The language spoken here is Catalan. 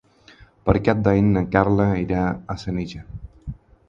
Per Cap d'Any na Carla irà a Senija.